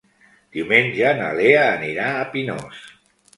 Diumenge na Lea anirà a Pinós.